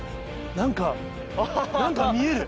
何か何か見える。